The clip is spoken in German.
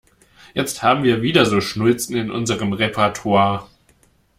Jetzt haben wir wieder so Schnulzen in unserem Repertoir.